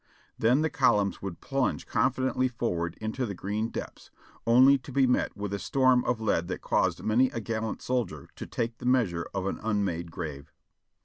Then the columns would plunge confidently forward into the green depths, only to be met with a storm of lead that caused many a gallant soldier to take the measure of an unmade grave.